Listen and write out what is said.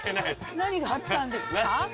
何があったんですか？